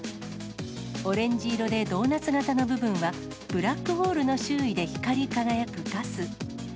オレンジ色でドーナツ型の部分は、ブラックホールの周囲で光り輝くガス。